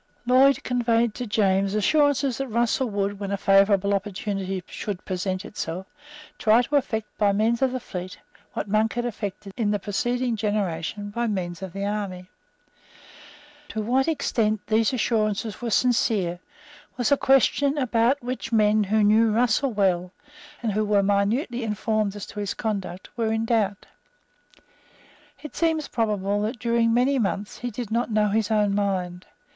Lloyd conveyed to James assurances that Russell would, when a favourable opportunity should present itself, try to effect by means of the fleet what Monk had effected in the preceding generation by means of the army. To what extent these assurances were sincere was a question about which men who knew Russell well, and who were minutely informed as to his conduct, were in doubt. It seems probable that, during many months, he did not know his own mind.